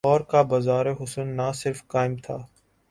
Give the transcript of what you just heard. لاہور کا بازار حسن نہ صرف قائم تھا۔